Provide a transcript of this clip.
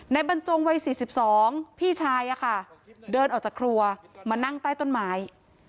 บรรจงวัย๔๒พี่ชายเดินออกจากครัวมานั่งใต้ต้นไม้